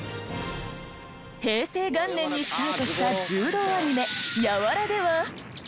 平成元年にスタートした柔道アニメ『ＹＡＷＡＲＡ！』では。